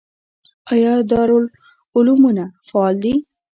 آیا دارالعلومونه فعال دي؟